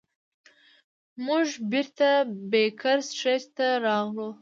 موږ بیرته بیکر سټریټ ته راغلو.